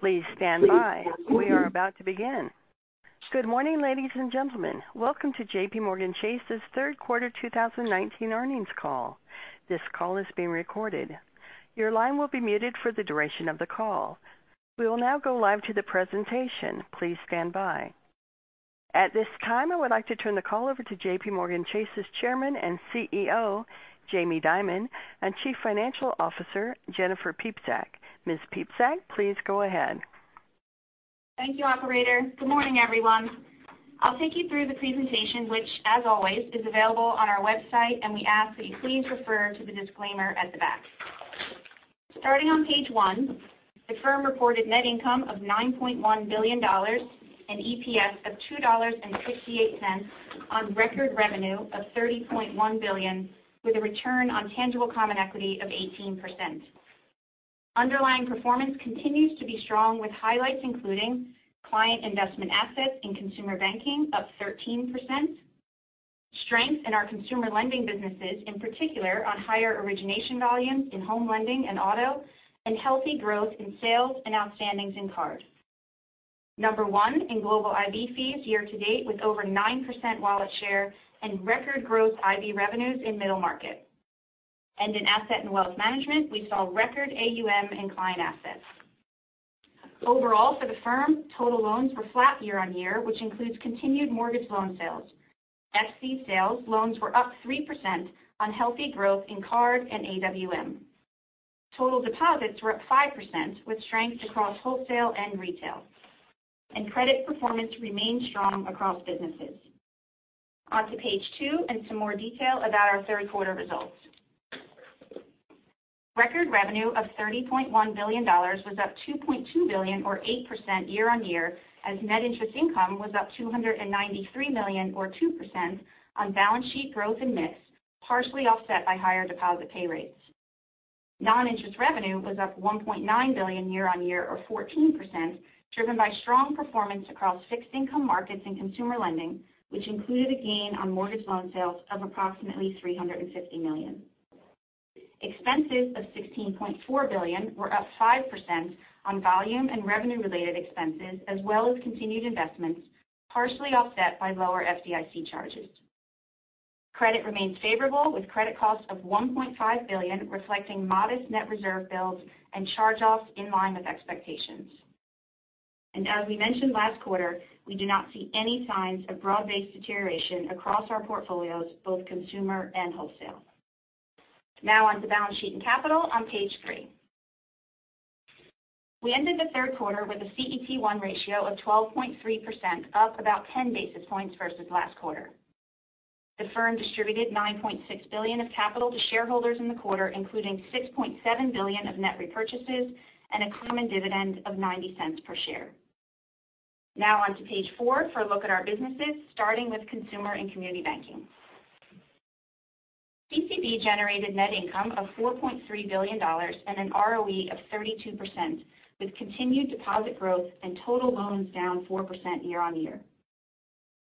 Please stand by. We are about to begin. Good morning, ladies and gentlemen. Welcome to JPMorgan Chase's third quarter 2019 earnings call. This call is being recorded. Your line will be muted for the duration of the call. We will now go live to the presentation. Please stand by. At this time, I would like to turn the call over to JPMorgan Chase's Chairman and CEO, Jamie Dimon, and Chief Financial Officer, Jennifer Piepszak. Ms. Piepszak, please go ahead. Thank you, operator. Good morning, everyone. I'll take you through the presentation, which, as always, is available on our website, and we ask that you please refer to the disclaimer at the back. Starting on page one, the firm reported net income of $9.1 billion and EPS of $2.68 on record revenue of $30.1 billion, with a return on tangible common equity of 18%. Underlying performance continues to be strong, with highlights including client investment assets in consumer banking up 13%, strength in our consumer lending businesses, in particular on higher origination volumes in home lending and auto, and healthy growth in sales and outstandings in card. Number one in global IB fees year to date, with over 9% wallet share and record gross IB revenues in middle market. In Asset & Wealth Management, we saw record AUM in client assets. Overall, for the firm, total loans were flat year-on-year, which includes continued mortgage loan sales. Ex. sales loans were up 3% on healthy growth in card and AWM. Total deposits were up 5%, with strength across wholesale and retail. Credit performance remained strong across businesses. On to page two and some more detail about our third quarter results. Record revenue of $30.1 billion was up $2.2 billion or 8% year-on-year, as net interest income was up $293 million or 2% on balance sheet growth in mix, partially offset by higher deposit pay rates. Non-interest revenue was up $1.9 billion year-on-year or 14%, driven by strong performance across fixed income markets and consumer lending, which included a gain on mortgage loan sales of approximately $350 million. Expenses of $16.4 billion were up 5% on volume and revenue related expenses, as well as continued investments, partially offset by lower FDIC charges. Credit remains favorable, with credit costs of $1.5 billion, reflecting modest net reserve builds and charge-offs in line with expectations. As we mentioned last quarter, we do not see any signs of broad-based deterioration across our portfolios, both consumer and wholesale. On to balance sheet and capital on page three. We ended the third quarter with a CET1 ratio of 12.3%, up about 10 basis points versus last quarter. The firm distributed $9.6 billion of capital to shareholders in the quarter, including $6.7 billion of net repurchases and a common dividend of $0.90 per share. On to page four for a look at our businesses, starting with Consumer & Community Banking. CCB generated net income of $4.3 billion and an ROE of 32%, with continued deposit growth and total loans down 4% year-on-year.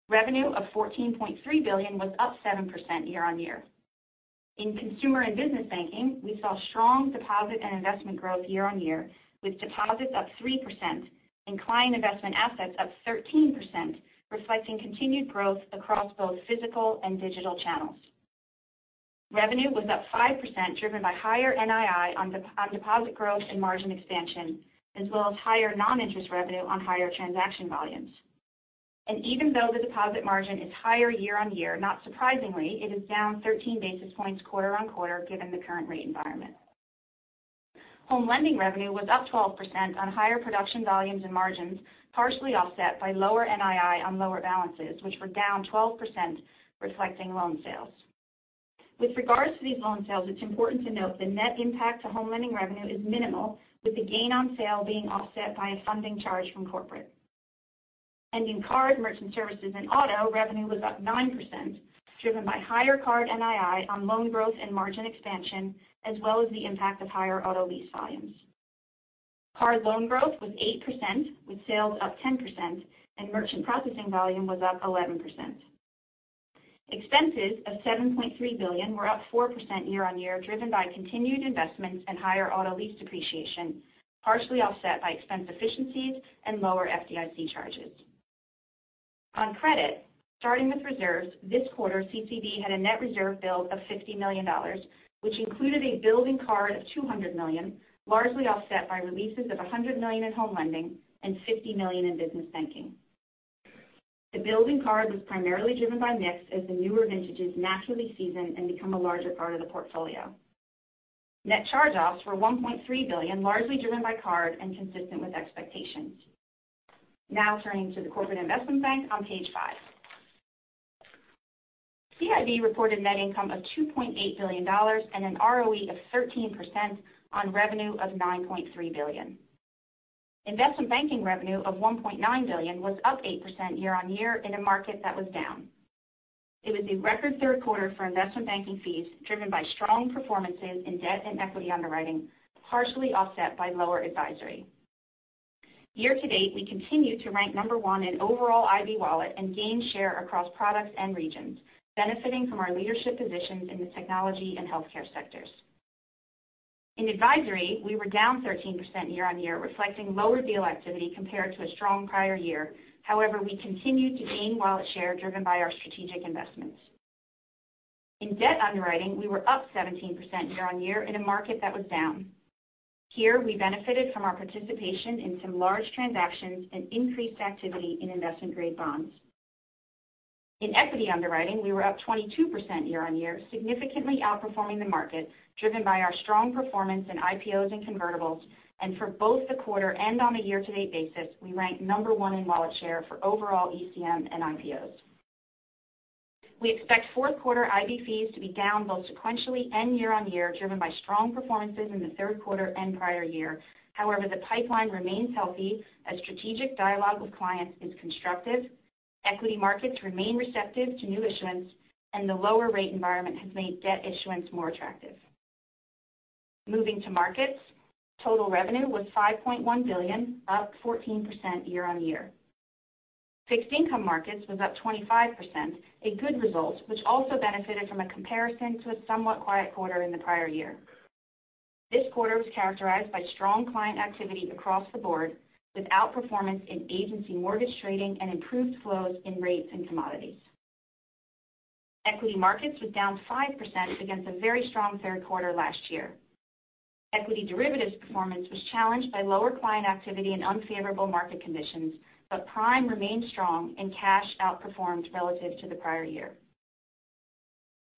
Revenue of $14.3 billion was up 7% year-on-year. In consumer and business banking, we saw strong deposit and investment growth year-on-year, with deposits up 3% and client investment assets up 13%, reflecting continued growth across both physical and digital channels. Revenue was up 5%, driven by higher NII on deposit growth and margin expansion, as well as higher non-interest revenue on higher transaction volumes. Even though the deposit margin is higher year-on-year, not surprisingly, it is down 13 basis points quarter-on-quarter, given the current rate environment. Home lending revenue was up 12% on higher production volumes and margins, partially offset by lower NII on lower balances, which were down 12%, reflecting loan sales. With regards to these loan sales, it's important to note the net impact to home lending revenue is minimal, with the gain on sale being offset by a funding charge from corporate. In card merchant services and auto, revenue was up 9%, driven by higher card NII on loan growth and margin expansion, as well as the impact of higher auto lease volumes. Card loan growth was 8%, with sales up 10%, and merchant processing volume was up 11%. Expenses of $7.3 billion were up 4% year-over-year, driven by continued investments and higher auto lease depreciation, partially offset by expense efficiencies and lower FDIC charges. On credit, starting with reserves, this quarter, CCB had a net reserve build of $50 million, which included a build in card of $200 million, largely offset by releases of $100 million in home lending and $50 million in business banking. The build in card was primarily driven by mix as the newer vintages naturally season and become a larger part of the portfolio. Net charge-offs were $1.3 billion, largely driven by card and consistent with expectations. Turning to the Corporate & Investment Bank on page five. CIB reported net income of $2.8 billion and an ROE of 13% on revenue of $9.3 billion. Investment banking revenue of $1.9 billion was up 8% year-on-year in a market that was down. It was a record third quarter for investment banking fees, driven by strong performances in debt and equity underwriting, partially offset by lower advisory. Year-to-date, we continue to rank number 1 in overall IB wallet and gain share across products and regions, benefiting from our leadership positions in the technology and healthcare sectors. In advisory, we were down 13% year-on-year, reflecting lower deal activity compared to a strong prior year. We continued to gain wallet share driven by our strategic investments. In debt underwriting, we were up 17% year-on-year in a market that was down. Here, we benefited from our participation in some large transactions and increased activity in investment-grade bonds. In equity underwriting, we were up 22% year-on-year, significantly outperforming the market, driven by our strong performance in IPOs and convertibles. For both the quarter and on a year-to-date basis, we ranked number one in wallet share for overall ECM and IPOs. We expect fourth quarter IB fees to be down both sequentially and year-on-year, driven by strong performances in the third quarter and prior year. The pipeline remains healthy as strategic dialogue with clients is constructive, equity markets remain receptive to new issuance, and the lower rate environment has made debt issuance more attractive. Moving to markets. Total revenue was $5.1 billion, up 14% year-on-year. Fixed income markets were up 25%, a good result, which also benefited from a comparison to a somewhat quiet quarter in the prior year. This quarter was characterized by strong client activity across the board with outperformance in agency mortgage trading and improved flows in rates and commodities. Equity markets were down 5% against a very strong third quarter last year. Equity derivatives performance was challenged by lower client activity and unfavorable market conditions. Prime remained strong and cash outperformed relative to the prior year.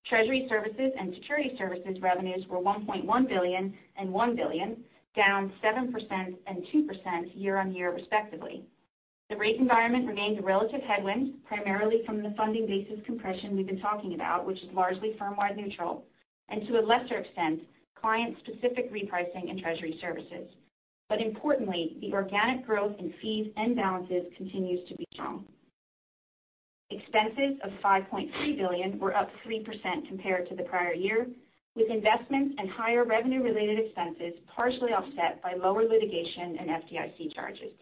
Treasury services and security services revenues were $1.1 billion and $1 billion, down 7% and 2% year-on-year respectively. The rate environment remains a relative headwind, primarily from the funding basis compression we've been talking about, which is largely firm-wide neutral, and to a lesser extent, client-specific repricing in treasury services. Importantly, the organic growth in fees and balances continues to be strong. Expenses of $5.3 billion were up 3% compared to the prior year, with investments and higher revenue-related expenses partially offset by lower litigation and FDIC charges.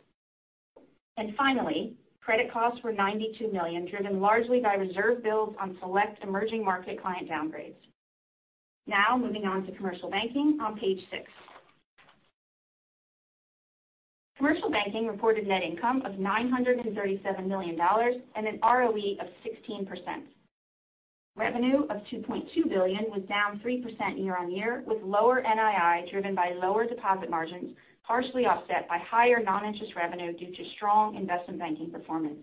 Finally, credit costs were $92 million, driven largely by reserve builds on select emerging market client downgrades. Now moving on to Commercial Banking on page six. Commercial Banking reported net income of $937 million and an ROE of 16%. Revenue of $2.2 billion was down 3% year-on-year, with lower NII driven by lower deposit margins, partially offset by higher non-interest revenue due to strong investment banking performance.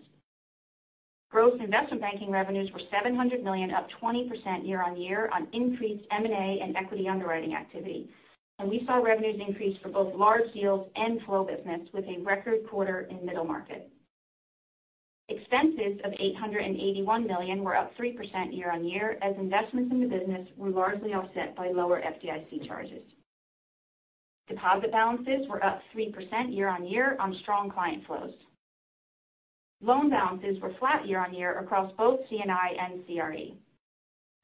Gross investment banking revenues were $700 million, up 20% year-on-year on increased M&A and equity underwriting activity. We saw revenues increase for both large deals and flow business, with a record quarter in middle market. Expenses of $881 million were up 3% year-on-year as investments in the business were largely offset by lower FDIC charges. Deposit balances were up 3% year-on-year on strong client flows. Loan balances were flat year-on-year across both C&I and CRE.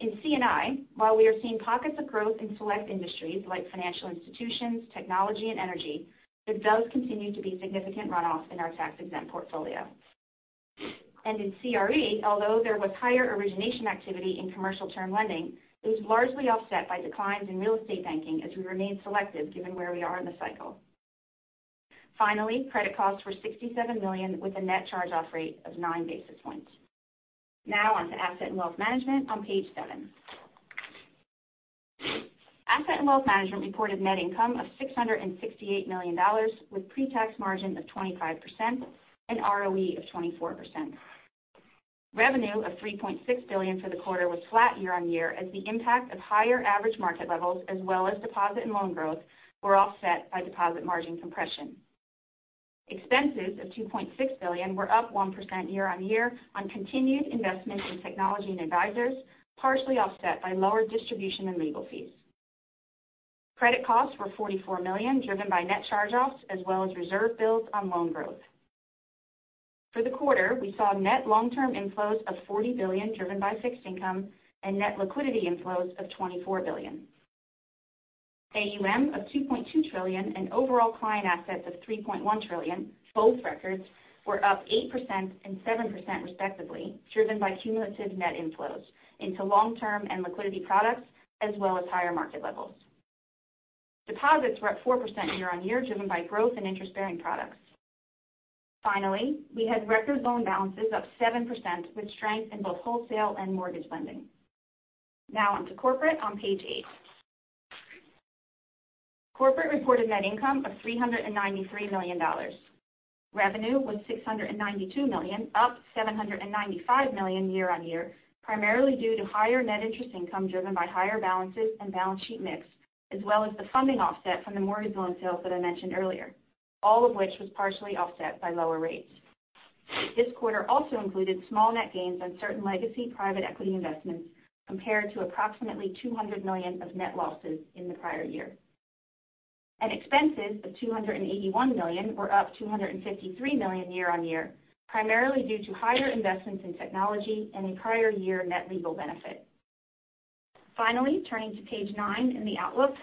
In C&I, while we are seeing pockets of growth in select industries like financial institutions, technology, and energy, there does continue to be significant runoff in our tax-exempt portfolio. In CRE, although there was higher origination activity in commercial term lending, it was largely offset by declines in real estate banking as we remain selective given where we are in the cycle. Credit costs were $67 million, with a net charge-off rate of nine basis points. On to Asset & Wealth Management on page seven. Asset & Wealth Management reported net income of $668 million, with pre-tax margin of 25% and ROE of 24%. Revenue of $3.6 billion for the quarter was flat year-on-year as the impact of higher average market levels as well as deposit and loan growth were offset by deposit margin compression. Expenses of $2.6 billion were up 1% year-on-year on continued investment in technology and advisors, partially offset by lower distribution and legal fees. Credit costs were $44 million, driven by net charge-offs as well as reserve builds on loan growth. For the quarter, we saw net long-term inflows of $40 billion, driven by fixed income and net liquidity inflows of $24 billion. AUM of $2.2 trillion and overall client assets of $3.1 trillion, both records, were up 8% and 7% respectively, driven by cumulative net inflows into long-term and liquidity products, as well as higher market levels. Deposits were up 4% year-on-year, driven by growth in interest-bearing products. We had record loan balances up 7%, with strength in both wholesale and mortgage lending. On to Corporate on page eight. Corporate reported net income of $393 million. Revenue was $692 million, up $795 million year-on-year, primarily due to higher net interest income driven by higher balances and balance sheet mix, as well as the funding offset from the mortgage loan sales that I mentioned earlier, all of which was partially offset by lower rates. This quarter also included small net gains on certain legacy private equity investments, compared to approximately $200 million of net losses in the prior year. Expenses of $281 million were up $253 million year-on-year, primarily due to higher investments in technology and a prior year net legal benefit. Turning to page nine in the outlook.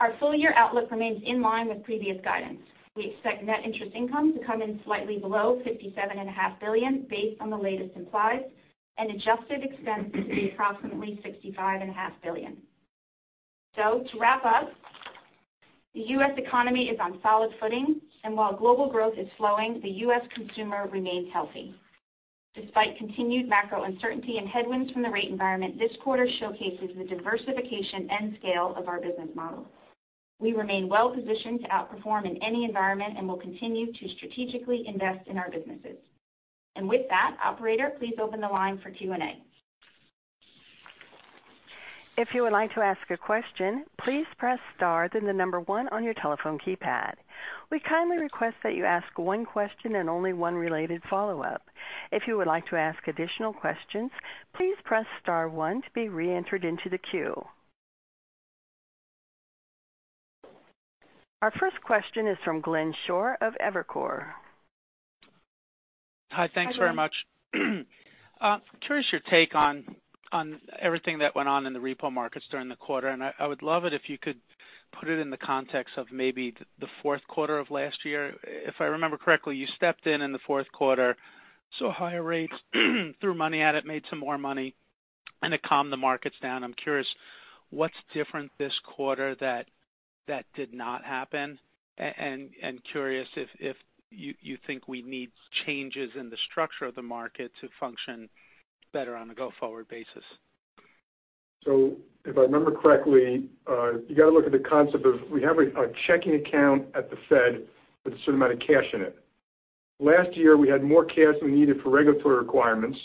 Our full-year outlook remains in line with previous guidance. We expect net interest income to come in slightly below $57.5 billion based on the latest implies and adjusted expense to be approximately $65.5 billion. To wrap up, the U.S. economy is on solid footing, and while global growth is slowing, the U.S. consumer remains healthy. Despite continued macro uncertainty and headwinds from the rate environment, this quarter showcases the diversification and scale of our business model. We remain well-positioned to outperform in any environment and will continue to strategically invest in our businesses. With that, operator, please open the line for Q&A. If you would like to ask a question, please press star, then the number one on your telephone keypad. We kindly request that you ask one question and only one related follow-up. If you would like to ask additional questions, please press star one to be reentered into the queue. Our first question is from Glenn Schorr of Evercore. Hi. Thanks very much. Hi, Glenn. Curious your take on everything that went on in the repo markets during the quarter, and I would love it if you could put it in the context of maybe the fourth quarter of last year. If I remember correctly, you stepped in in the fourth quarter, saw higher rates, threw money at it, made some more money, and it calmed the markets down. I'm curious what's different this quarter that did not happen? Curious if you think we need changes in the structure of the market to function better on a go-forward basis? If I remember correctly, you got to look at the concept of we have a checking account at the Fed with a certain amount of cash in it. Last year, we had more cash than we needed for regulatory requirements.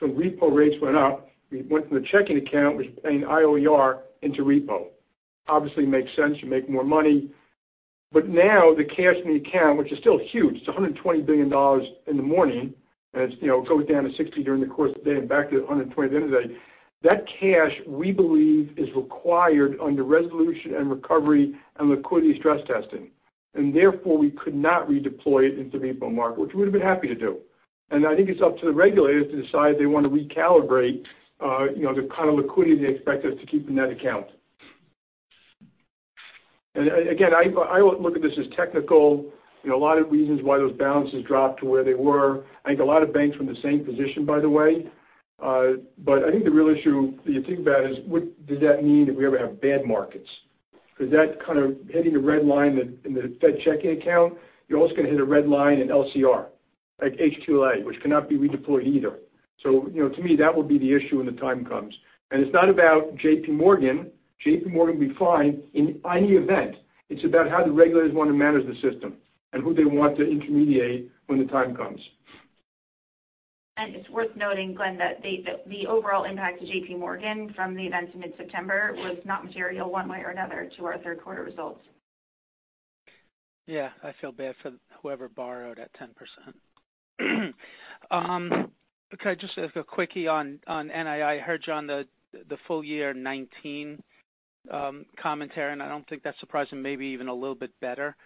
Repo rates went up. We went from the checking account, which was paying IOR into repo. Obviously makes sense. You make more money. Now the cash in the account, which is still huge, it's $120 billion in the morning, and it goes down to $60 billion during the course of the day and back to $120 billion at the end of the day. That cash, we believe, is required under resolution and recovery and liquidity stress testing. Therefore, we could not redeploy it into repo market, which we'd have been happy to do. I think it's up to the regulators to decide if they want to recalibrate the kind of liquidity they expect us to keep in that account. Again, I look at this as technical. A lot of reasons why those balances dropped to where they were. I think a lot of banks were in the same position, by the way. I think the real issue that you think about is, what does that mean if we ever have bad markets? That kind of hitting a red line in the Fed checking account, you're also going to hit a red line in LCR, like HQLA, which cannot be redeployed either. To me, that would be the issue when the time comes. It's not about JPMorgan. JPMorgan will be fine in any event. It's about how the regulators want to manage the system and who they want to intermediate when the time comes. It's worth noting, Glenn, that the overall impact to JPMorgan from the events in mid-September was not material one way or another to our third quarter results. Yeah, I feel bad for whoever borrowed at 10%. Could I just ask a quickie on NII? I heard you on the full year 2019 commentary. I don't think that's surprising, maybe even a little bit better.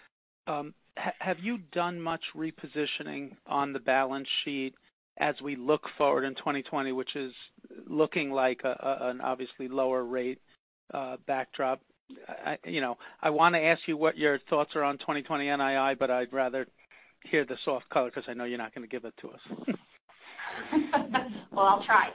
Have you done much repositioning on the balance sheet as we look forward in 2020, which is looking like an obviously lower rate backdrop? I want to ask you what your thoughts are on 2020 NII, I'd rather hear the soft color because I know you're not going to give it to us. I'll try.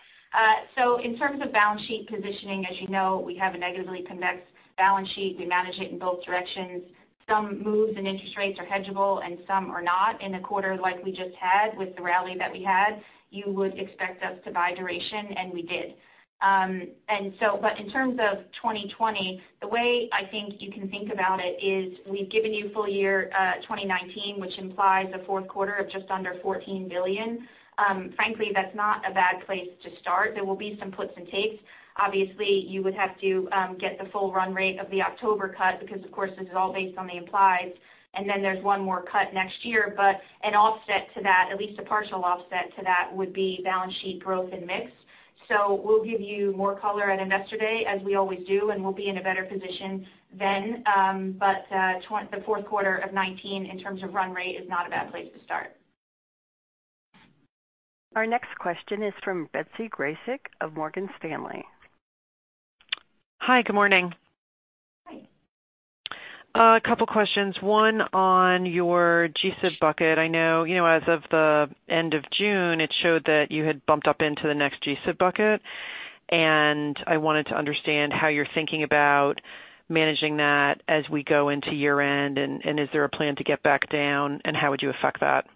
In terms of balance sheet positioning, as you know, we have a negatively convex balance sheet. We manage it in both directions. Some moves in interest rates are hedgeable, and some are not. In a quarter like we just had with the rally that we had, you would expect us to buy duration, and we did. In terms of 2020, the way I think you can think about it is we've given you full year 2019, which implies a fourth quarter of just under $14 billion. Frankly, that's not a bad place to start. There will be some puts and takes. Obviously, you would have to get the full run rate of the October cut because, of course, this is all based on the implies. There's one more cut next year. An offset to that, at least a partial offset to that, would be balance sheet growth and mix. We'll give you more color at Investor Day as we always do, and we'll be in a better position then. The fourth quarter of 2019 in terms of run rate is not a bad place to start. Our next question is from Betsy Graseck of Morgan Stanley. Hi, good morning. Hi. A couple questions. One on your G-SIB bucket. I know as of the end of June, it showed that you had bumped up into the next G-SIB bucket, and I wanted to understand how you're thinking about managing that as we go into year-end, and is there a plan to get back down, and how would you affect that?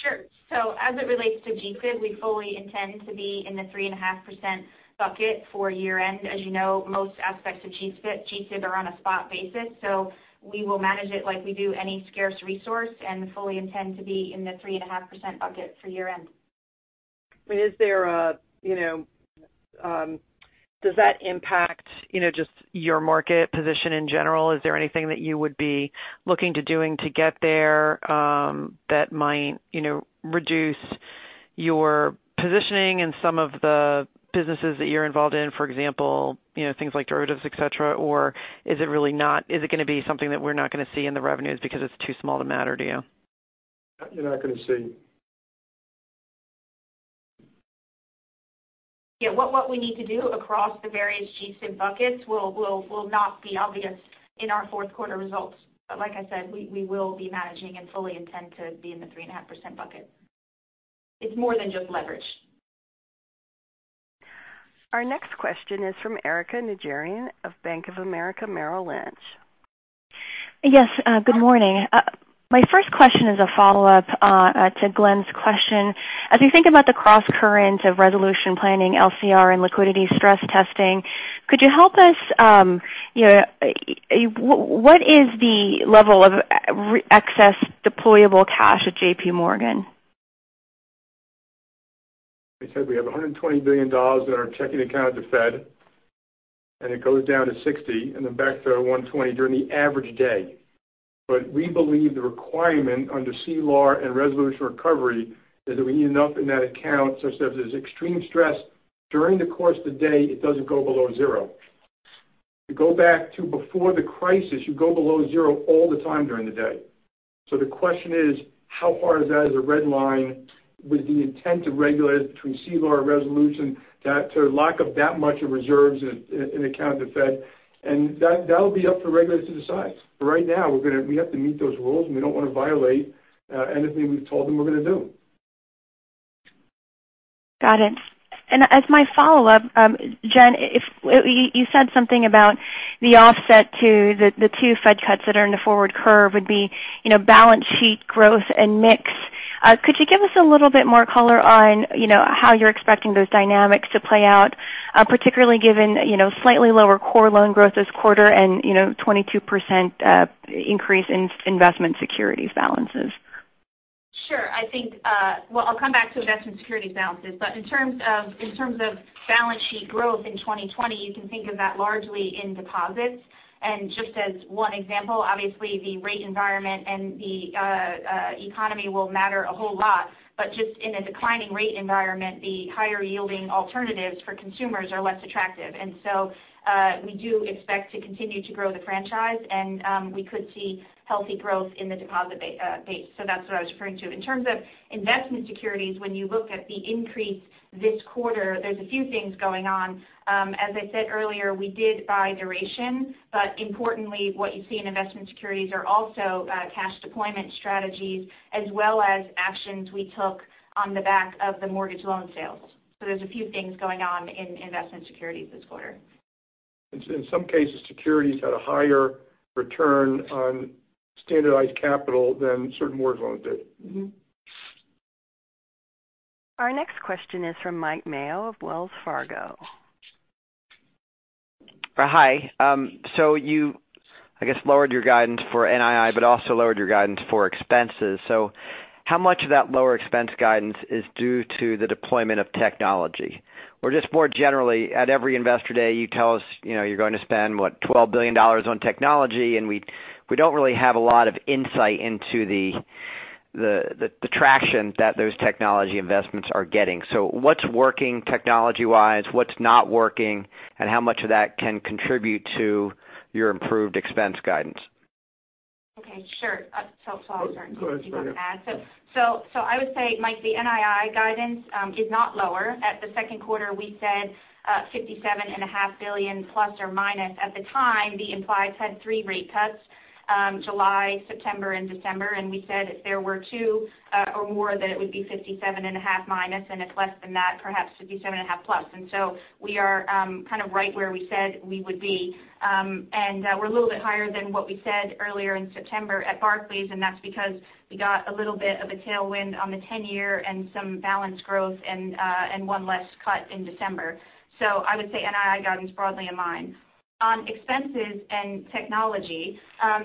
Sure. As it relates to GSIB, we fully intend to be in the 3.5% bucket for year-end. As you know, most aspects of GSIB are on a spot basis. We will manage it like we do any scarce resource and fully intend to be in the 3.5% bucket for year-end. Does that impact just your market position in general? Is there anything that you would be looking to doing to get there that might reduce your positioning in some of the businesses that you're involved in, for example, things like derivatives, et cetera? Or is it going to be something that we're not going to see in the revenues because it's too small to matter to you? You're not going to see. Yeah. What we need to do across the various GSIB buckets will not be obvious in our fourth quarter results. Like I said, we will be managing and fully intend to be in the 3.5% bucket. It's more than just leverage. Our next question is from Erika Najarian of Bank of America Merrill Lynch. Yes. Good morning. My first question is a follow-up to Glenn's question. As we think about the cross current of resolution planning, LCR, and liquidity stress testing, could you help us, what is the level of excess deployable cash at JPMorgan? I said we have $120 billion in our checking account at the Fed, and it goes down to 60, and then back to 120 during the average day. We believe the requirement under CCAR and Resolution Recovery is that we need enough in that account such that if there's extreme stress during the course of the day, it doesn't go below zero. You go back to before the crisis, you go below zero all the time during the day. The question is, how far is that as a red line with the intent of regulators between CCAR resolution to lock up that much of reserves in account at the Fed, and that'll be up to regulators to decide. For right now, we have to meet those rules, and we don't want to violate anything we've told them we're going to do. Got it. As my follow-up, Jen, you said something about the offset to the two Fed cuts that are in the forward curve would be balance sheet growth and mix. Could you give us a little bit more color on how you're expecting those dynamics to play out, particularly given slightly lower core loan growth this quarter and 22% increase in investment securities balances? Sure. I'll come back to investment securities balances. In terms of balance sheet growth in 2020, you can think of that largely in deposits. Just as one example, obviously, the rate environment and the economy will matter a whole lot. Just in a declining rate environment, the higher yielding alternatives for consumers are less attractive. We do expect to continue to grow the franchise and we could see healthy growth in the deposit base. That's what I was referring to. In terms of investment securities, when you look at the increase this quarter, there's a few things going on. As I said earlier, we did buy duration, but importantly, what you see in investment securities are also cash deployment strategies, as well as actions we took on the back of the mortgage loan sales. There's a few things going on in investment securities this quarter. In some cases, securities had a higher return on standardized capital than certain mortgage loans did. Our next question is from Mike Mayo of Wells Fargo. Hi. You, I guess, lowered your guidance for NII, but also lowered your guidance for expenses. How much of that lower expense guidance is due to the deployment of technology? Or just more generally, at every Investor Day, you tell us you're going to spend, what, $12 billion on technology, and we don't really have a lot of insight into the traction that those technology investments are getting. What's working technology-wise, what's not working, and how much of that can contribute to your improved expense guidance? Okay, sure. I'll start, and see if you want to add. Go ahead, sorry. I would say, Mike, the NII guidance is not lower. At the second quarter, we said $57.5 billion plus or minus. At the time, the implies had three rate cuts, July, September, and December, and we said if there were two or more, that it would be $57.5 minus, and if less than that, perhaps $57.5 plus. We are kind of right where we said we would be. We're a little bit higher than what we said earlier in September at Barclays, and that's because we got a little bit of a tailwind on the 10-year and some balance growth and one less cut in December. I would say NII guidance broadly in line. On expenses and technology,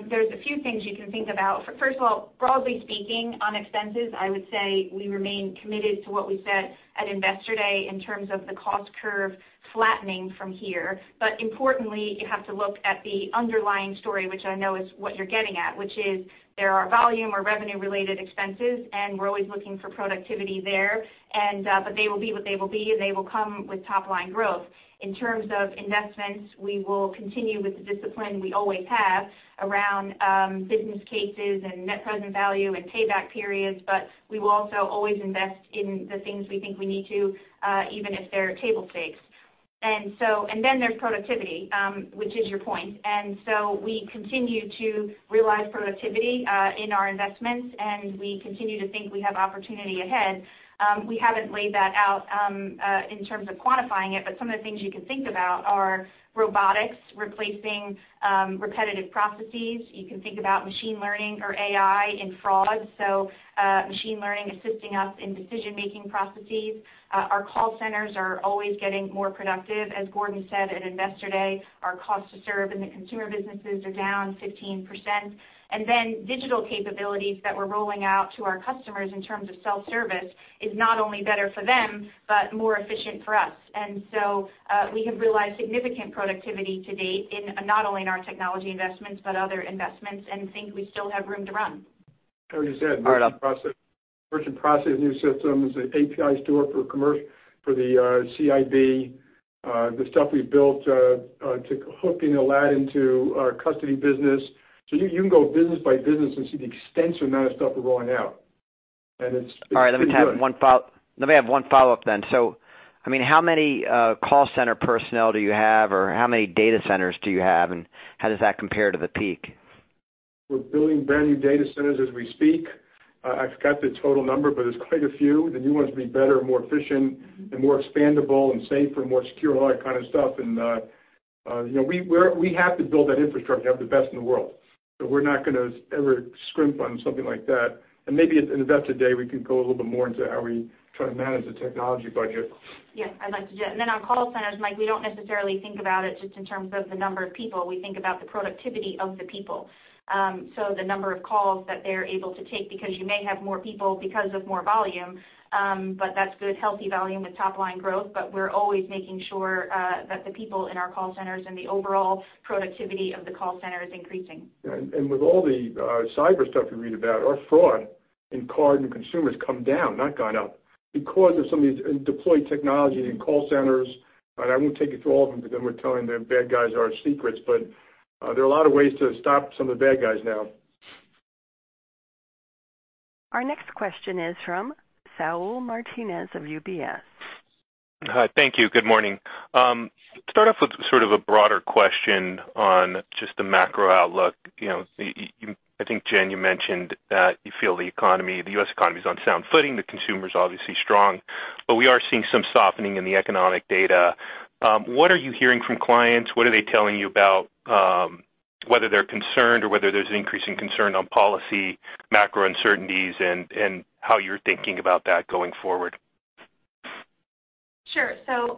there's a few things you can think about. First of all, broadly speaking on expenses, I would say we remain committed to what we said at Investor Day in terms of the cost curve flattening from here. Importantly, you have to look at the underlying story, which I know is what you're getting at, which is there are volume or revenue-related expenses, and we're always looking for productivity there. They will be what they will be, and they will come with top-line growth. In terms of investments, we will continue with the discipline we always have around business cases and net present value and payback periods, but we will also always invest in the things we think we need to even if they're table stakes. Then there's productivity, which is your point. So we continue to realize productivity in our investments, and we continue to think we have opportunity ahead. We haven't laid that out in terms of quantifying it, but some of the things you can think about are robotics replacing repetitive processes. You can think about machine learning or AI in fraud. Machine learning assisting us in decision-making processes. Our call centers are always getting more productive. As Gordon said at Investor Day, our cost to serve in the consumer businesses are down 15%. Digital capabilities that we're rolling out to our customers in terms of self-service is not only better for them, but more efficient for us. We have realized significant productivity to date not only in our technology investments, but other investments, and think we still have room to run. I would just add- All right. Purchase process new systems, the API store for the CIB. The stuff we built to hook into Aladdin to our custody business. You can go business by business and see the extensive amount of stuff we're rolling out. It's pretty good. All right. Let me have one follow-up then. How many call center personnel do you have, or how many data centers do you have, and how does that compare to the peak? We're building brand-new data centers as we speak. I forgot the total number, but it's quite a few. The new ones will be better, more efficient, and more expandable and safer, more secure, all that kind of stuff. We have to build that infrastructure to have the best in the world. We're not going to ever scrimp on something like that. Maybe at Investor Day, we can go a little bit more into how we try to manage the technology budget. Yes, I'd like to. On call centers, Mike Mayo, we don't necessarily think about it just in terms of the number of people. We think about the productivity of the people. The number of calls that they're able to take, because you may have more people because of more volume, that's good, healthy volume with top-line growth. We're always making sure that the people in our call centers and the overall productivity of the call center is increasing. Yeah. With all the cyber stuff you read about, our fraud in card and consumers come down, not gone up because of some of these deployed technologies in call centers. I won't take you through all of them because then we're telling the bad guys our secrets, but there are a lot of ways to stop some of the bad guys now. Our next question is from Saul Martinez of UBS. Hi. Thank you. Good morning. Start off with sort of a broader question on just the macro outlook. I think, Jen, you mentioned that you feel the economy, the U.S. economy is on sound footing. The consumer's obviously strong, but we are seeing some softening in the economic data. What are you hearing from clients? What are they telling you about whether they're concerned or whether there's an increasing concern on policy, macro uncertainties, and how you're thinking about that going forward? Sure.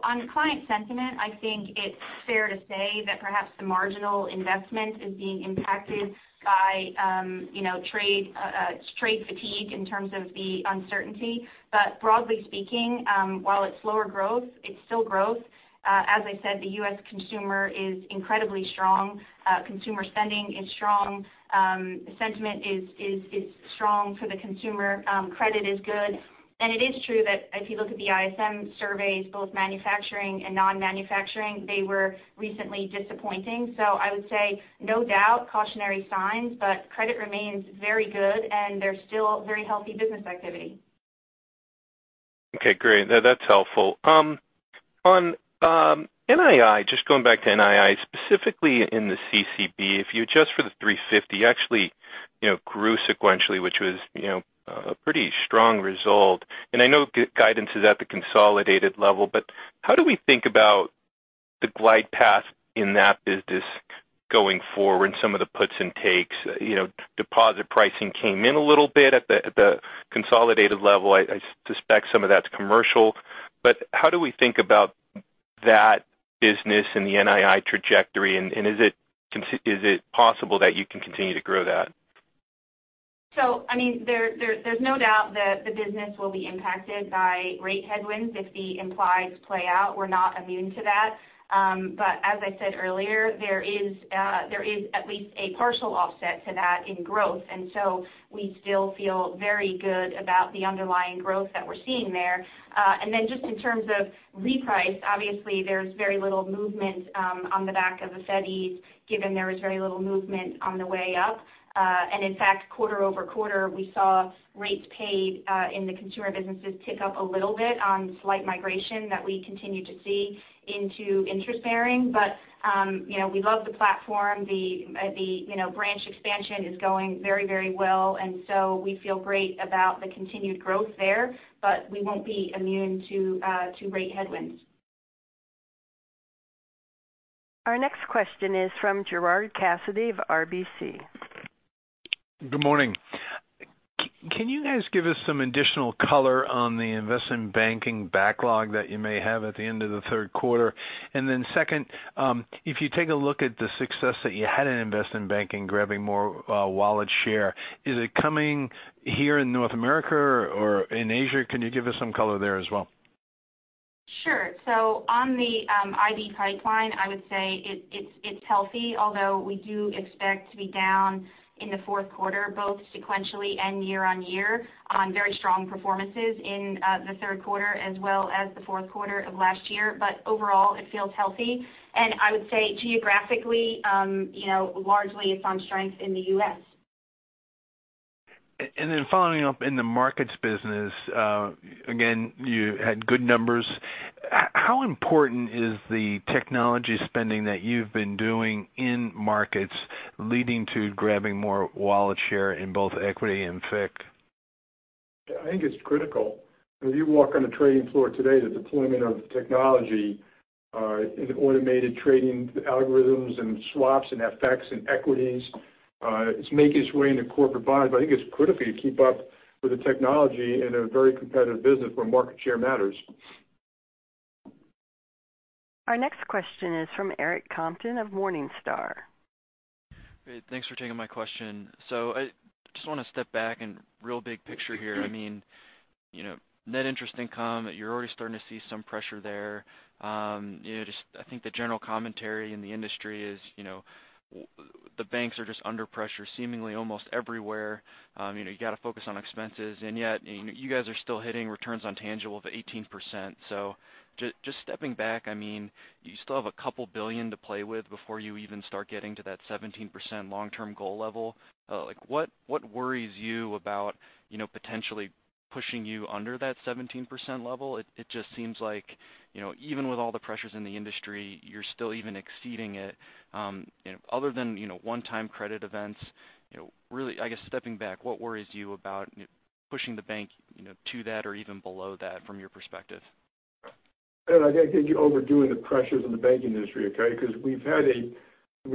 On client sentiment, I think it's fair to say that perhaps the marginal investment is being impacted by trade fatigue in terms of the uncertainty. Broadly speaking, while it's slower growth, it's still growth. As I said, the U.S. consumer is incredibly strong. Consumer spending is strong. Sentiment is strong for the consumer. Credit is good. It is true that if you look at the ISM surveys, both manufacturing and non-manufacturing, they were recently disappointing. I would say, no doubt, cautionary signs, but credit remains very good, and there's still very healthy business activity. Okay, great. That's helpful. On NII, just going back to NII, specifically in the CCB, if you adjust for the $350, actually grew sequentially, which was a pretty strong result. I know guidance is at the consolidated level, but how do we think about the glide path in that business going forward and some of the puts and takes? Deposit pricing came in a little bit at the consolidated level. I suspect some of that's commercial. How do we think about that business and the NII trajectory? Is it possible that you can continue to grow that? There's no doubt that the business will be impacted by rate headwinds if the implies play out. We're not immune to that. As I said earlier, there is at least a partial offset to that in growth, and so we still feel very good about the underlying growth that we're seeing there. Then just in terms of reprice, obviously, there's very little movement on the back of the Fed ease given there was very little movement on the way up. In fact, quarter-over-quarter, we saw rates paid in the consumer businesses tick up a little bit on slight migration that we continue to see into interest-bearing. We love the platform. The branch expansion is going very, very well, and so we feel great about the continued growth there, but we won't be immune to rate headwinds. Our next question is from Gerard Cassidy of RBC. Good morning. Can you guys give us some additional color on the investment banking backlog that you may have at the end of the third quarter? Second, if you take a look at the success that you had in investment banking grabbing more wallet share, is it coming here in North America or in Asia? Can you give us some color there as well? Sure. On the IB pipeline, I would say it's healthy, although we do expect to be down in the fourth quarter, both sequentially and year-on-year on very strong performances in the third quarter as well as the fourth quarter of last year. Overall, it feels healthy. I would say geographically, largely it's on strength in the U.S. Following up in the Markets business, again, you had good numbers. How important is the technology spending that you've been doing in Markets leading to grabbing more wallet share in both equity and FICC? I think it's critical. If you walk on the trading floor today, the deployment of technology in automated trading algorithms and swaps and FX and equities, it's making its way into corporate bonds. I think it's critical you keep up with the technology in a very competitive business where market share matters. Our next question is from Eric Compton of Morningstar. Great. Thanks for taking my question. I just want to step back and real big picture here. Net interest income, you're already starting to see some pressure there. I think the general commentary in the industry is the banks are just under pressure seemingly almost everywhere. Yet you guys are still hitting returns on tangible of 18%. Just stepping back, you still have a couple billion to play with before you even start getting to that 17% long-term goal level. What worries you about potentially pushing you under that 17% level? It just seems like even with all the pressures in the industry, you're still even exceeding it. Other than one-time credit events, really, I guess stepping back, what worries you about pushing the bank to that or even below that from your perspective? I think you're overdoing the pressures in the banking industry, okay? We've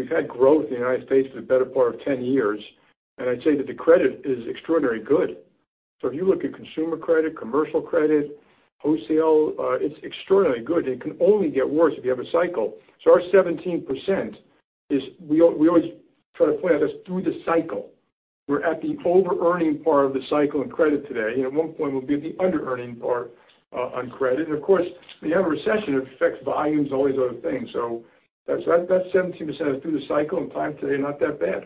had growth in the U.S. for the better part of 10 years. I'd say that the credit is extraordinarily good. If you look at consumer credit, commercial credit, wholesale, it's extraordinarily good. It can only get worse if you have a cycle. Our 17%, we always try to point out that's through the cycle. We're at the over-earning part of the cycle in credit today. At one point, we'll be at the under-earning part on credit. Of course, when you have a recession, it affects volumes and all these other things. That 17% is through the cycle and time today, not that bad.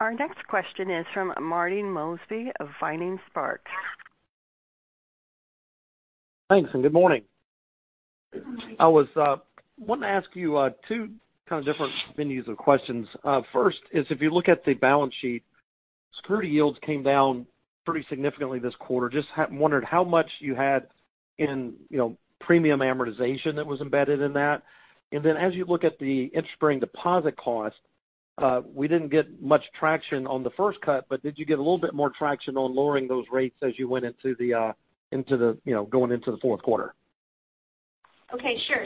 Our next question is from Marty Mosby of Vining Sparks. Thanks. Good morning. I wanted to ask you two kind of different venues of questions. First is, if you look at the balance sheet, security yields came down pretty significantly this quarter. Just wondered how much you had in premium amortization that was embedded in that. As you look at the interest-bearing deposit cost, we didn't get much traction on the first cut, but did you get a little bit more traction on lowering those rates as you went going into the fourth quarter? Okay, sure.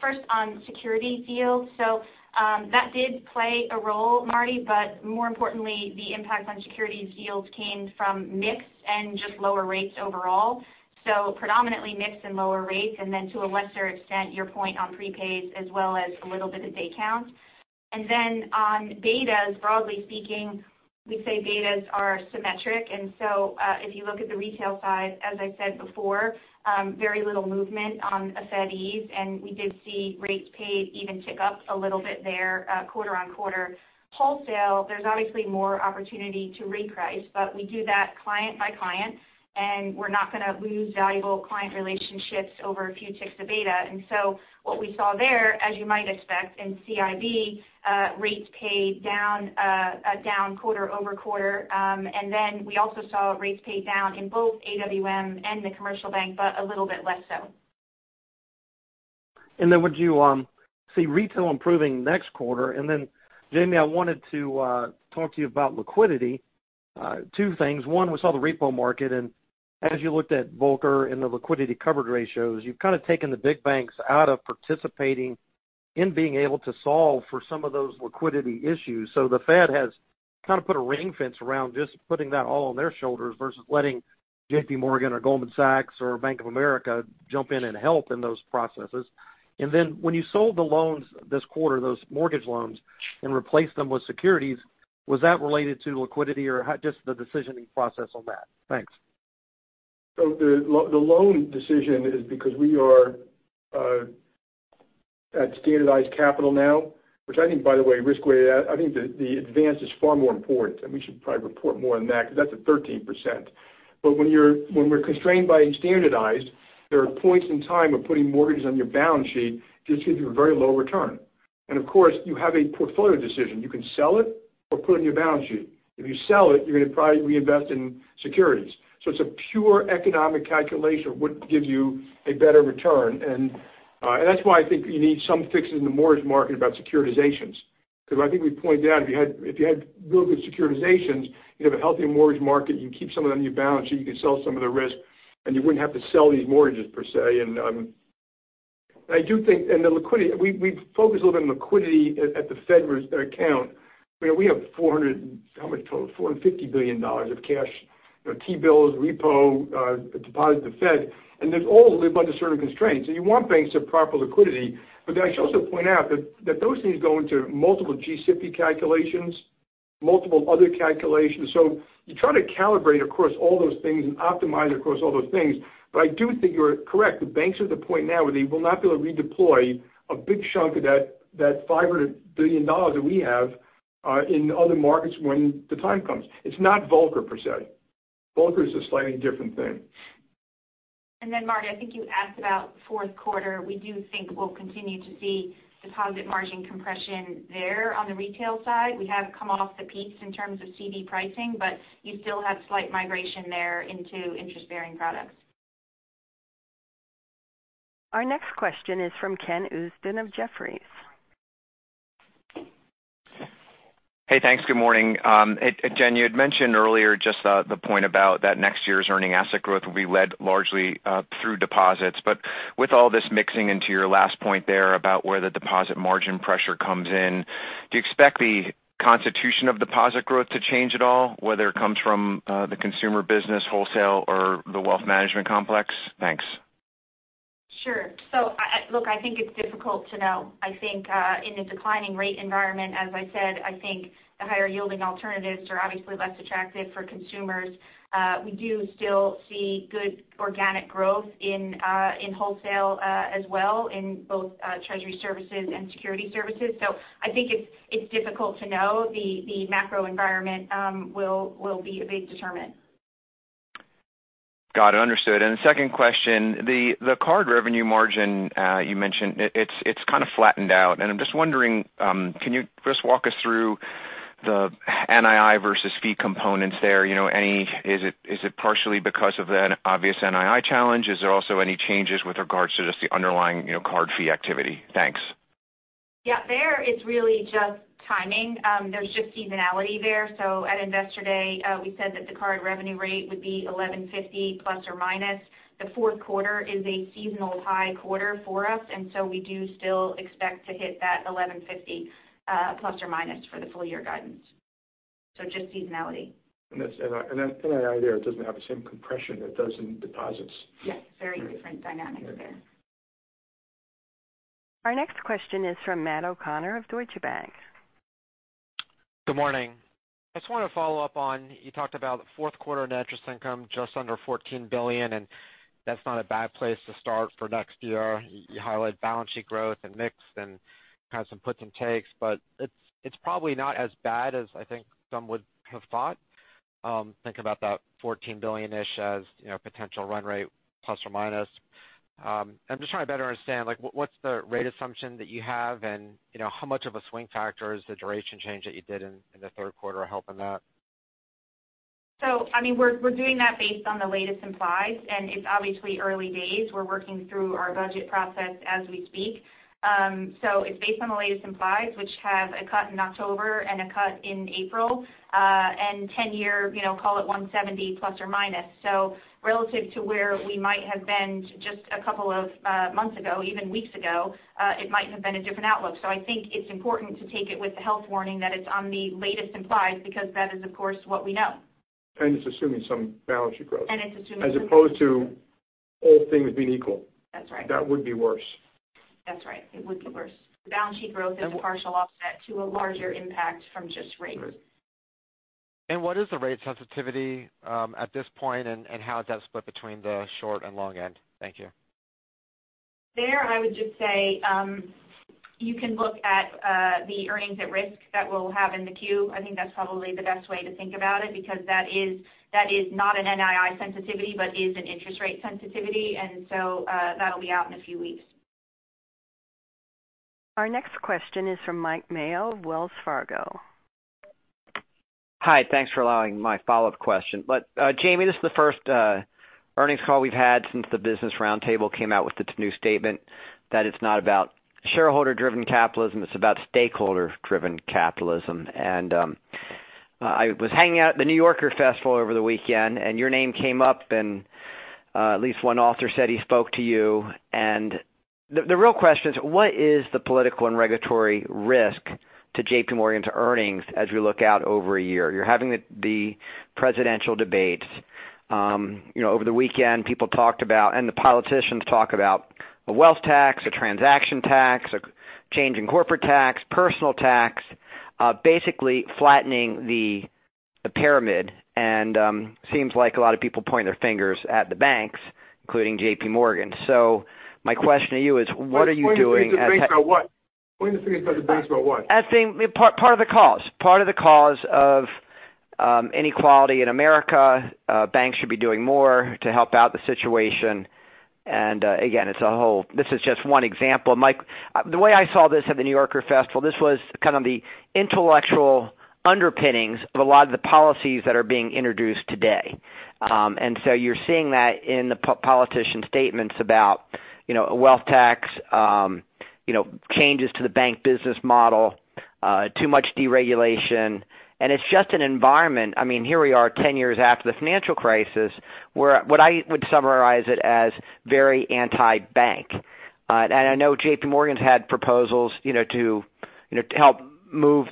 First on security yields. That did play a role, Marty, but more importantly, the impact on securities yields came from mix and just lower rates overall. Predominantly mix and lower rates, to a lesser extent, your point on prepays as well as a little bit of day count. On betas, broadly speaking, we say betas are symmetric. If you look at the retail side, as I said before, very little movement on a Fed ease. We did see rates paid even tick up a little bit there quarter-on-quarter. Wholesale, there's obviously more opportunity to reprice, but we do that client by client, and we're not going to lose valuable client relationships over a few ticks of beta. What we saw there, as you might expect in CIB, rates paid down quarter-over-quarter. We also saw rates paid down in both AWM and the Commercial Bank, but a little bit less so. Would you see retail improving next quarter? Jamie, I wanted to talk to you about liquidity. Two things. One, we saw the repo market, and as you looked at Volcker and the Liquidity Coverage Ratios, you've kind of taken the big banks out of participating in being able to solve for some of those liquidity issues. The Fed has kind of put a ring fence around just putting that all on their shoulders versus letting JPMorgan or Goldman Sachs or Bank of America jump in and help in those processes. When you sold the loans this quarter, those mortgage loans, and replaced them with securities, was that related to liquidity or just the decisioning process on that? Thanks. The loan decision is because we are at standardized capital now, which I think, by the way, risk-weighted. I think the advance is far more important, and we should probably report more on that because that's at 13%. When we're constrained by standardized, there are points in time of putting mortgages on your balance sheet just gives you a very low return. Of course, you have a portfolio decision. You can sell it or put it on your balance sheet. If you sell it, you're going to probably reinvest in securities. It's a pure economic calculation of what gives you a better return. That's why I think you need some fixes in the mortgage market about securitizations. I think we pointed out if you had real good securitizations, you'd have a healthier mortgage market. You can keep some of them on your balance sheet. You can sell some of the risk, you wouldn't have to sell these mortgages per se. I do think the liquidity. We focus a little bit on liquidity at the Fed account. We have $450 billion of cash, T-bills, repo, deposit at the Fed. They all live under certain constraints. You want banks to have proper liquidity. I should also point out that those things go into multiple G-SIB calculations, multiple other calculations. You try to calibrate across all those things and optimize across all those things. I do think you're correct. The banks are at the point now where they will not be able to redeploy a big chunk of that $500 billion that we have in other markets when the time comes. It's not Volcker per se. Volcker is a slightly different thing. Marty, I think you asked about fourth quarter. We do think we'll continue to see deposit margin compression there on the retail side. We have come off the peaks in terms of CD pricing, you still have slight migration there into interest-bearing products. Our next question is from Ken Usdin of Jefferies. Hey, thanks. Good morning. Jen, you had mentioned earlier just the point about that next year's earning asset growth will be led largely through deposits. With all this mixing into your last point there about where the deposit margin pressure comes in, do you expect the constitution of deposit growth to change at all, whether it comes from the consumer business, wholesale, or the wealth management complex? Thanks. Sure. Look, I think it's difficult to know. I think in a declining rate environment, as I said, I think the higher yielding alternatives are obviously less attractive for consumers. We do still see good organic growth in wholesale as well in both Treasury Services and Security Services. I think it's difficult to know. The macro environment will be a big determinant. Got it. Understood. The second question, the card revenue margin you mentioned, it's kind of flattened out. I'm just wondering, can you just walk us through the NII versus fee components there? Is it partially because of that obvious NII challenge? Is there also any changes with regards to just the underlying card fee activity? Thanks. Yeah. There it's really just timing. There's just seasonality there. At Investor Day, we said that the card revenue rate would be 1,150 ±. The fourth quarter is a seasonal high quarter for us, we do still expect to hit that 1,150 ± for the full year guidance. Just seasonality. That NII there doesn't have the same compression that does in deposits. Yes. Very different dynamic there. Our next question is from Matthew O'Connor of Deutsche Bank. Good morning. I just want to follow up on, you talked about fourth quarter net interest income just under $14 billion. That's not a bad place to start for next year. You highlight balance sheet growth and mix and kind of some puts and takes. It's probably not as bad as I think some would have thought. Think about that $14 billion-ish as potential run rate plus or minus. I'm just trying to better understand, what's the rate assumption that you have, and how much of a swing factor is the duration change that you did in the third quarter help in that? We're doing that based on the latest implies, and it's obviously early days. We're working through our budget process as we speak. It's based on the latest implies, which have a cut in October and a cut in April, and 10-year, call it 170 plus or minus. Relative to where we might have been just a couple of months ago, even weeks ago, it might have been a different outlook. I think it's important to take it with the health warning that it's on the latest implies because that is, of course, what we know. It's assuming some balance sheet growth. It's assuming some balance sheet growth. As opposed to all things being equal. That's right. That would be worse. That's right. It would be worse. The balance sheet growth is a partial offset to a larger impact from just rates. Right. What is the rate sensitivity at this point, and how is that split between the short and long end? Thank you. There, I would just say, you can look at the earnings at risk that we'll have in the queue. I think that's probably the best way to think about it because that is not an NII sensitivity but is an interest rate sensitivity. That'll be out in a few weeks. Our next question is from Mike Mayo of Wells Fargo. Thanks for allowing my follow-up question. Jamie, this is the first earnings call we've had since the Business Roundtable came out with its new statement that it's not about shareholder driven capitalism, it's about stakeholder driven capitalism. I was hanging out at The New Yorker Festival over the weekend, and your name came up and at least one author said he spoke to you. The real question is, what is the political and regulatory risk to JPMorgan's earnings as we look out over a year? You're having the presidential debates. Over the weekend, people talked about a wealth tax, a transaction tax, a change in corporate tax, personal tax, basically flattening the pyramid. Seems like a lot of people point their fingers at the banks, including JPMorgan. My question to you is, what are you doing at- Pointing fingers at the banks about what? As being part of the cause. Part of the cause of inequality in America. Banks should be doing more to help out the situation. Again, this is just one example. The way I saw this at the New Yorker Festival, this was kind of the intellectual underpinnings of a lot of the policies that are being introduced today. You're seeing that in the politicians' statements about a wealth tax, changes to the bank business model, too much deregulation. It's just an environment. Here we are 10 years after the financial crisis, where what I would summarize it as very anti-bank. I know JPMorgan's had proposals to help move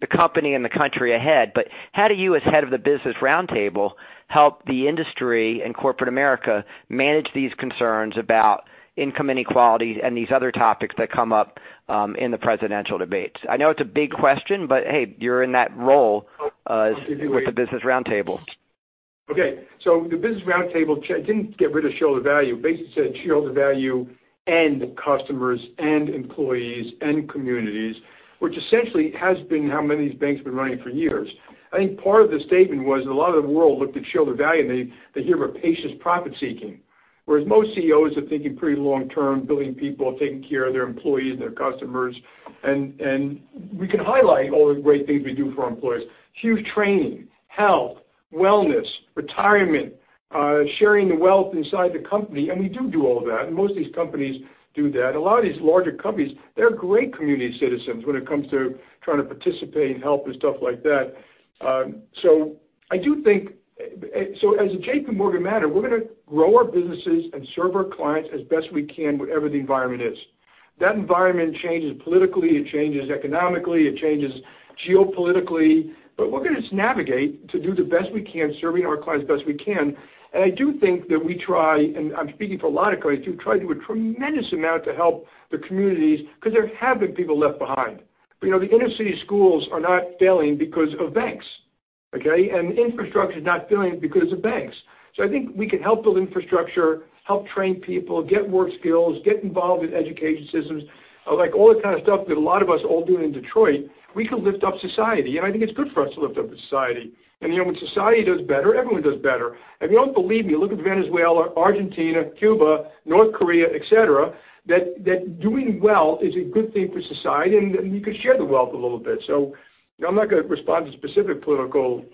the company and the country ahead. How do you, as head of the Business Roundtable, help the industry and corporate America manage these concerns about income inequality and these other topics that come up in the presidential debates? I know it's a big question. Hey, you're in that role with the Business Roundtable. The Business Roundtable didn't get rid of shareholder value. Basically said shareholder value and customers and employees and communities, which essentially has been how many of these banks have been running for years. I think part of the statement was a lot of the world looked at shareholder value, and they hear rapacious profit seeking, whereas most CEOs are thinking pretty long term, building people, taking care of their employees, their customers. We can highlight all the great things we do for our employees. Huge training, health, wellness, retirement, sharing the wealth inside the company. We do all of that. Most of these companies do that. A lot of these larger companies, they're great community citizens when it comes to trying to participate and help and stuff like that. As a JPMorgan matter, we're going to grow our businesses and serve our clients as best we can whatever the environment is. That environment changes politically, it changes economically, it changes geopolitically. We're going to just navigate to do the best we can, serving our clients best we can. I do think that we try, and I'm speaking for a lot of companies too, try to do a tremendous amount to help the communities because there have been people left behind. The inner city schools are not failing because of banks. Okay. Infrastructure's not failing because of banks. I think we can help build infrastructure, help train people, get work skills, get involved with education systems, like all the kind of stuff that a lot of us all do in Detroit. We should lift up society, and I think it's good for us to lift up the society. When society does better, everyone does better. If you don't believe me, look at Venezuela, Argentina, Cuba, North Korea, et cetera, that doing well is a good thing for society, and you can share the wealth a little bit. I'm not going to respond to specific political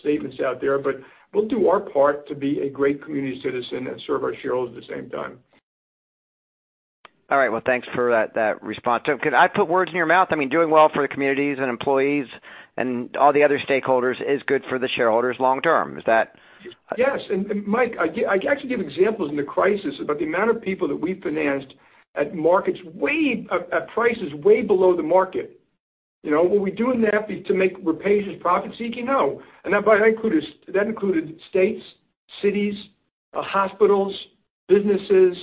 statements out there, but we'll do our part to be a great community citizen and serve our shareholders at the same time. All right. Well, thanks for that response. I put words in your mouth, doing well for the communities and employees and all the other stakeholders is good for the shareholders long term. Yes. Mike, I could actually give examples in the crisis about the amount of people that we financed at prices way below the market. Were we doing that because we're profit-seeking? No. That included states, cities, hospitals, businesses,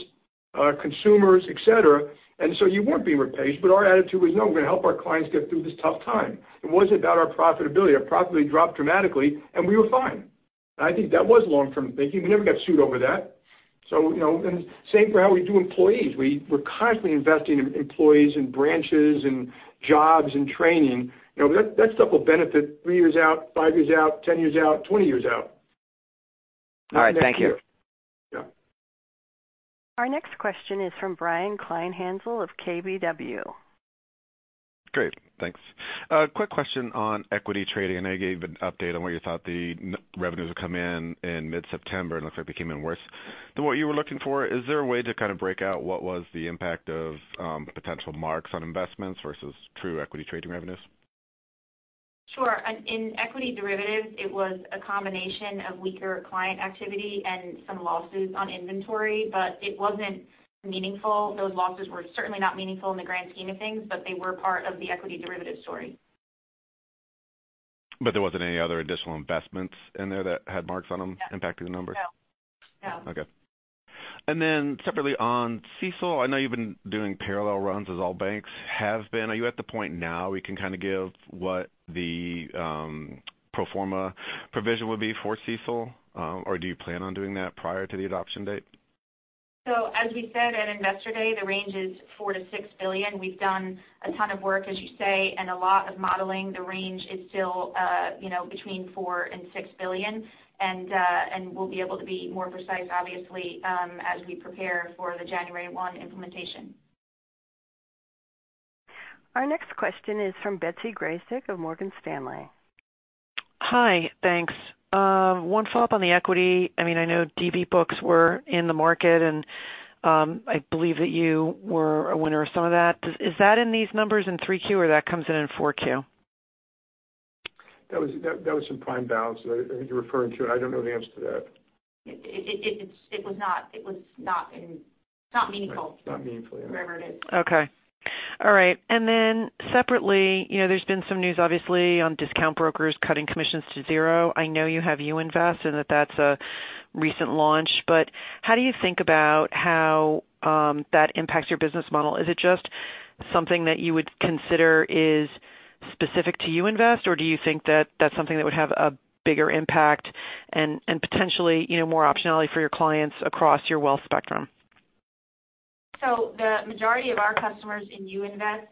consumers, et cetera. So you weren't being repaid, but our attitude was, "No, we're going to help our clients get through this tough time." It wasn't about our profitability. Our profitability dropped dramatically, and we were fine. I think that was long-term thinking. We never got sued over that. Same for how we do employees. We're constantly investing in employees and branches and jobs and training. That stuff will benefit three years out, five years out, 10 years out, 20 years out. All right. Thank you. Yeah. Our next question is from Brian Kleinhanzl of KBW. Great. Thanks. A quick question on equity trading. I know you gave an update on where you thought the revenues would come in in mid-September, and it looks like it came in worse than what you were looking for. Is there a way to kind of break out what was the impact of potential marks on investments versus true equity trading revenues? Sure. In equity derivatives, it was a combination of weaker client activity and some losses on inventory, but it wasn't meaningful. Those losses were certainly not meaningful in the grand scheme of things, but they were part of the equity derivative story. There wasn't any other additional investments in there that had marks on them impacting the numbers? No. Okay. Separately on CECL, I know you've been doing parallel runs as all banks have been. Are you at the point now where you can kind of give what the pro forma provision would be for CECL? Do you plan on doing that prior to the adoption date? As we said at Investor Day, the range is $4 billion-$6 billion. We've done a ton of work, as you say, and a lot of modeling. The range is still between $4 billion and $6 billion, and we'll be able to be more precise, obviously, as we prepare for the January 1 implementation. Our next question is from Betsy Graseck of Morgan Stanley. Hi. Thanks. One follow-up on the equity. I know DB books were in the market, and I believe that you were a winner of some of that. Is that in these numbers in 3Q or that comes in 4Q? That was some prime balance that I think you're referring to, and I don't know the answer to that. It was not meaningful. Not meaningful, yeah. Wherever it is. Okay. All right. Separately, there's been some news obviously on discount brokers cutting commissions to zero. I know you have You Invest and that's a recent launch, but how do you think about how that impacts your business model? Is it just something that you would consider is specific to You Invest, or do you think that's something that would have a bigger impact and potentially more optionality for your clients across your wealth spectrum? The majority of our customers in You Invest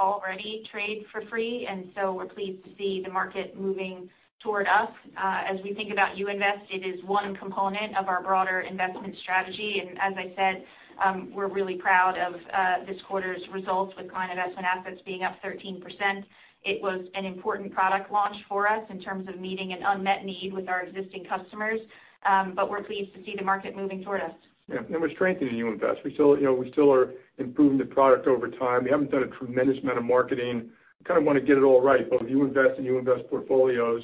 already trade for free, and so we're pleased to see the market moving toward us. As we think about You Invest, it is one component of our broader investment strategy. As I said, we're really proud of this quarter's results with client investment assets being up 13%. It was an important product launch for us in terms of meeting an unmet need with our existing customers. We're pleased to see the market moving toward us. Yeah. We're strengthening You Invest. We still are improving the product over time. We haven't done a tremendous amount of marketing. We kind of want to get it all right, both You Invest and You Invest Portfolios.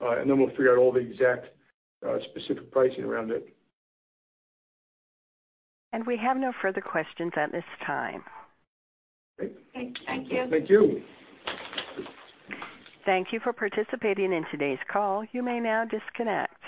Then we'll figure out all the exact specific pricing around it. We have no further questions at this time. Great. Okay. Thank you. Thank you. Thank you for participating in today's call. You may now disconnect.